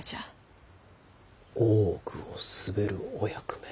大奥を統べるお役目。